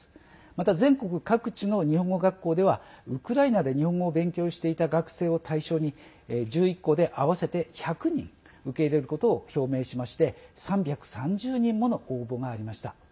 また全国各地の日本語学校ではウクライナで、日本語を勉強していた学生を対象に１１校で合わせて１００人受け入れることを表明しまして３３０人もの応募がありました。